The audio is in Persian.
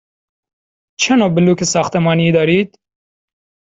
چه نوع بلوک ساختمانی دارید؟